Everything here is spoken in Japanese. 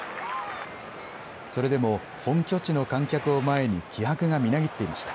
それでも本拠地の観客を前に気迫がみなぎっていました。